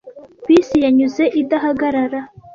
Bisi yanyuze idahagarara.